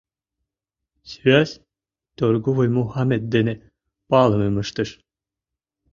Сӱас торговой Мухамет дене палымым ыштыш.